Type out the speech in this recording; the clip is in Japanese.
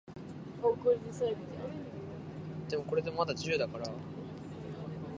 機会がたくさんあるよ